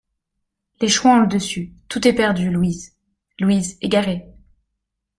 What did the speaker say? Les chouans ont le dessus, tout est perdu, Louise ! LOUISE, égarée.